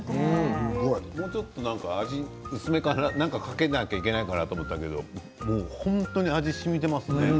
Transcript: もうちょっと味薄めかな、何かかけなきゃいけないかなと思ったけど本当に味がしみていますね。